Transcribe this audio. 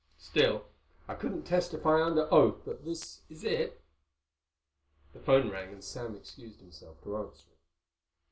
Still, I couldn't testify under oath that this is it." The phone rang and Sam excused himself to answer it.